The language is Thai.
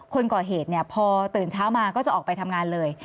คนก่อเหตุเนี่ยพอตื่นเช้ามาก็จะออกไปทำงานเลย